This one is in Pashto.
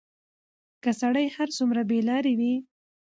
که سړى هر څومره بېلارې وي،